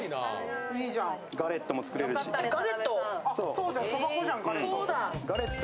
そうじゃん、そば粉じゃん、ガレット。